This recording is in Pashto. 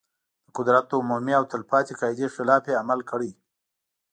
د قدرت د عمومي او تل پاتې قاعدې خلاف یې عمل کړی.